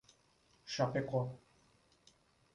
Chapecó